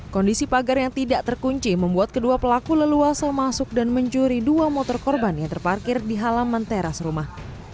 kondisi pagar yang tidak terkunci membuat kedua pelaku leluasa masuk dan mencuri dua motor korban yang terparkir di halaman teras rumah